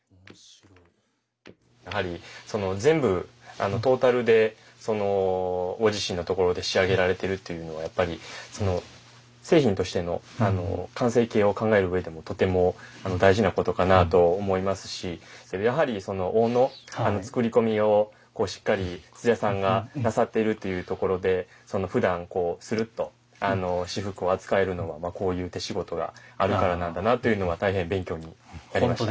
やはり全部トータルでご自身のところで仕上げられてるっていうのはやっぱり製品としての完成形を考える上でもとても大事なことかなと思いますしやはりその緒の作り込みをしっかり土田さんがなさっているというところでふだんこうスルッと仕覆を扱えるのはこういう手仕事があるからなんだなというのは大変勉強になりました。